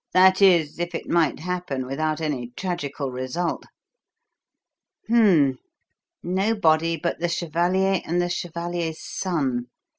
"That is, if it might happen without any tragical result. Hum m m! Nobody but the chevalier and the chevalier's son!